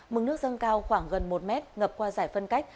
mừng nước dâng cao khoảng gần một mét ngập qua dải phân cách